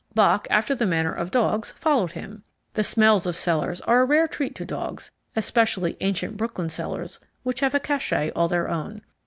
Bock, after the manner of dogs, followed him. The smells of cellars are a rare treat to dogs, especially ancient Brooklyn cellars which have a cachet all their own.